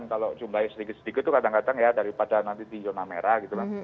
kalau jumlahnya sedikit sedikit itu kadang kadang ya daripada nanti di yonamera gitu